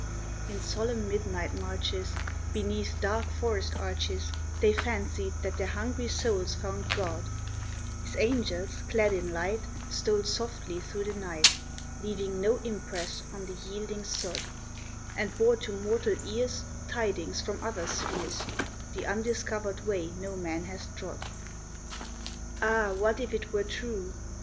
In solemn midnight marches Beneath dark forest arches They fancied that their hungry souls found God ; His angels clad in light Stole softly through the night, Leaving no impress on the yielding sod, And bore to mortal ears Tidings from other spheres, The undiscovered way no man hath trod. 448 ST. JOHN'S EVE Ah ! what if it were true